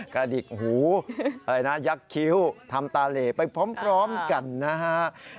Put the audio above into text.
กระดิกหูยักษ์คิ้วทำตาเหลไปพร้อมกันนะครับ